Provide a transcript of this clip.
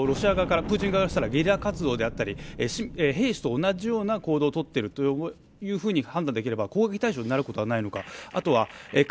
これはロシア側からプーチン側からしたらゲリラ活動だったり兵士と同じような行動を取っているというふうに判断できれば攻撃対象になることはないのか。